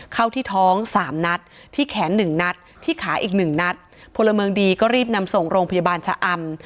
เข้าที่ท้อง๓นัดที่แขน๑นัดที่ขาอีก๑นัดโพลเมิงดีก็รีบนำส่งโรงพยาบาลชอำ